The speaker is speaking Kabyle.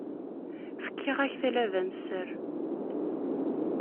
Fkiɣ-ak talaba n sser.